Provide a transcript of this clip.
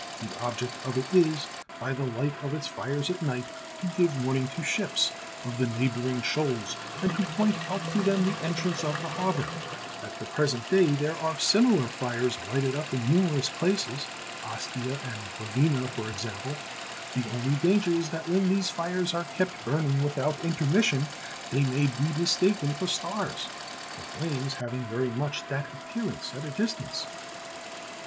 The object of it is, by the light of its fires at night, to give warning to ships, of the neighbouring shoals, and to point out to them the entrance to the harbour. At the present day there are similar fires lighted up in numerous places, Ostia and Ravenna for example. The only danger is that when these fires are kept burning without intermission, they may be mistaken for stars, the flames having very much that appearance at a distance.